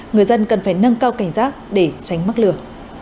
người dân cần phải nâng cao cảnh giác để tránh mắc lừa